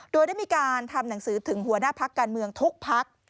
โดยได้มีการทำหนังสือถึงหัวหน้าพักการเมืองทุกพัก